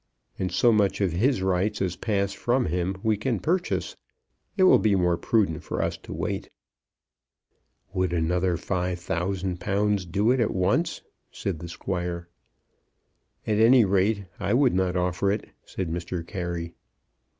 And so much of his rights as pass from him we can purchase. It will be more prudent for us to wait." "Would another £5,000 do it at once?" said the Squire. "At any rate I would not offer it," said Mr. Carey.